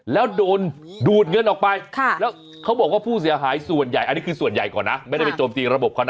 แล้วโดนดูดเงินออกไปแล้วเขาบอกว่าผู้เสียหายส่วนใหญ่อันนี้คือส่วนใหญ่ก่อนนะไม่ได้ไปโจมตีระบบเขานะ